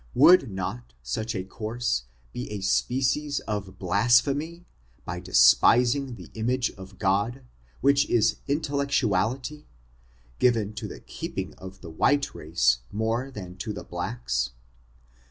Would not such a course be a species of blasphemy^ by despising the image of God, which is intellectual ity^ given to the keeping of the white race, more than to the blacks